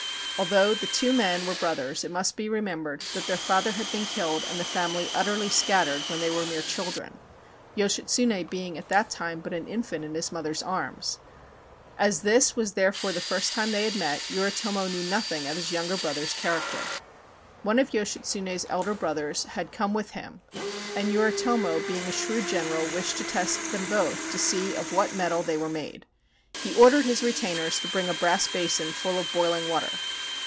Although the two men were brothers, it must be remembered that their father had been killed, and the family utterly scattered, when they were mere children, Yoshitsune being at that time but an infant in his mother's arms. As this was therefore the first time they had met, Yoritomo knew nothing of his young brother's character. One of Yoshitsune's elder brothers had come with him, and Yoritomo being a shrewd general wished to test them both to see of what mettle they were made. He ordered his retainers to bring a brass basin full of boiling water.